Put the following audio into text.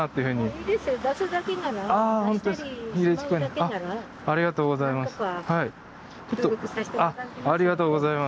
ありがとうございます。